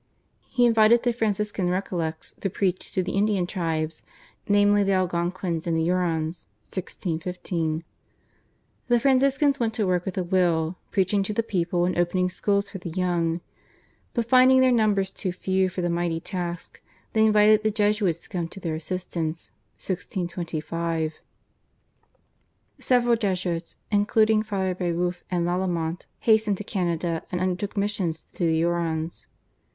He invited the Franciscan Recollects to preach to the Indian tribes, namely, the Algonquins and the Hurons (1615). The Franciscans went to work with a will, preaching to the people and opening schools for the young, but finding their numbers too few for the mighty task, they invited the Jesuits to come to their assistance (1625). Several Jesuits including Fathers Brebeuf and Lallemant hastened to Canada and undertook missions to the Hurons.